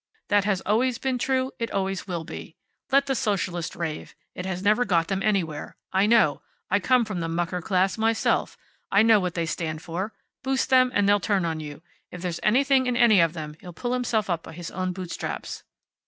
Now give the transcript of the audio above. That has always been true. It always will be. Let the Socialists rave. It has never got them anywhere. I know. I come from the mucker class myself. I know what they stand for. Boost them, and they'll turn on you. If there's anything in any of them, he'll pull himself up by his own bootstraps."